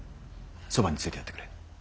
そばについてやってくれ。